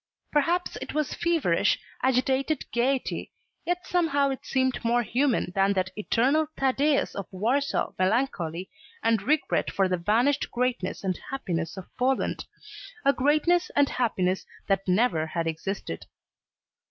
Perhaps it was feverish, agitated gayety, yet somehow it seemed more human than that eternal Thaddeus of Warsaw melancholy and regret for the vanished greatness and happiness of Poland a greatness and happiness that never had existed.